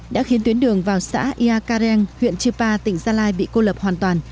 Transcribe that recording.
đã khiến tuyến đường vào xã ia kareng huyện chư pa tỉnh gia lai bị cô lập hoàn toàn